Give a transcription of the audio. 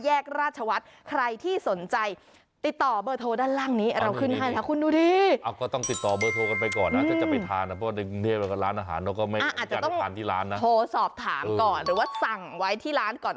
อาจจะต้องโทรสอบถามก่อนหรือว่าสั่งไว้ที่ร้านก่อน